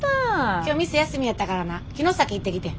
今日店休みやったからな城崎行ってきてん。